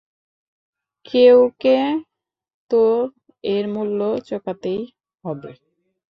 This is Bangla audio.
কেউকে তো এর মূল্য চোঁকাতেই হবে।